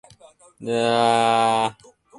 文章が少な過ぎて理解できない